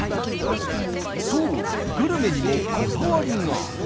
そうグルメにもこだわりが。